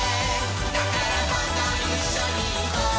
「だからどんどんいっしょにいこう」